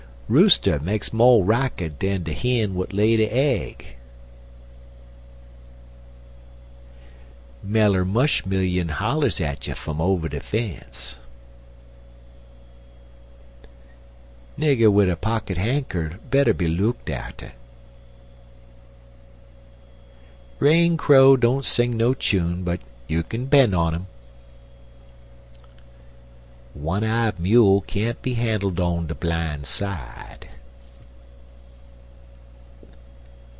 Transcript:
Rooster makes mo' racket dan de hin w'at lay de aig. Meller mush million hollers at you fum over de fence. Nigger wid a pocket hankcher better be looked atter. Rain crow don't sing no chune, but you k'n 'pen' on 'im. One eyed mule can't be handled on de bline side.